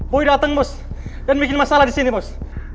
boy dateng bos dan bikin masalah di sini bos